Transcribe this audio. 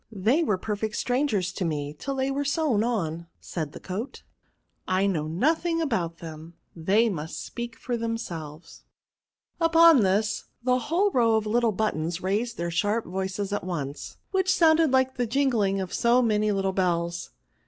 " They were perfect strangers to me, till they were sewn on," said the coat; " I know nothing about them, they must speak for themselves." 178 PRONOUNS'. Upon this, the whole row of Kttle buf tons raised their sharp voices at once, which sounded like the jingling of so many little bells.